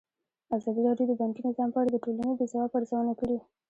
ازادي راډیو د بانکي نظام په اړه د ټولنې د ځواب ارزونه کړې.